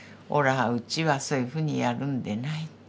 おらぁうちはそういうふうにやるんでない。